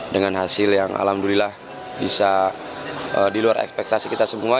dengan hasil yang alhamdulillah bisa di luar ekspektasi kita semua